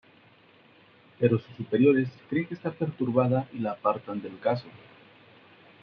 Pero sus superiores creen que está perturbada y la apartan del caso.